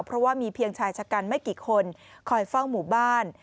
เพราะว่ามีเพียงชายชะกันไม่กี่คนคอยเฝ้าหมู่บ้าน